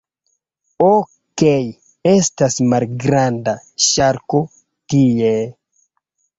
Okej, estas malgranda ŝarko tie...